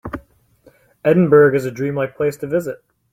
Edinburgh is a dream-like place to visit.